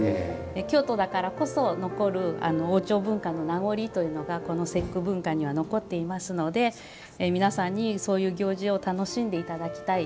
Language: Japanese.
京都だからこそ残る王朝文化のなごりというのがこの節句文化には残っていますので皆さんに、そういう行事を楽しんでいただきたい。